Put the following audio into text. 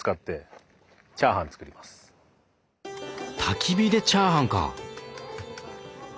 たき火でチャーハンか！